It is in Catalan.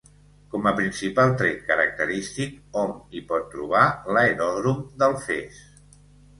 Com a principal tret característic hom hi pot trobar l'Aeròdrom d'Alfés.